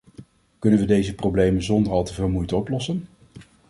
Kunnen we deze problemen zonder al te veel moeite oplossen?